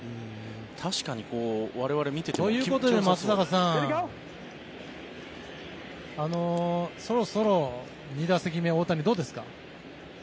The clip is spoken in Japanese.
確かに我々、見ていても。ということで松坂さんそろそろ２打席目、大谷どうですか？